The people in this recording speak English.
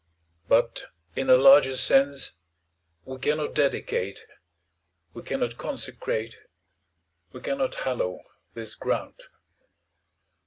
But, in a larger sense, we cannot dedicate. . .we cannot consecrate. .. we cannot hallow this ground.